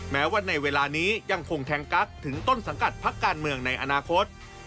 แม้ว่าในเวลานี้ยังคงแทงกักถึงต้นสังกัดพักการเมืองในอนาคต